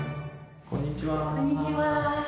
こんにちは。